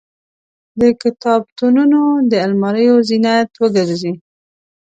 د کتابتونونو د الماریو زینت وګرځي.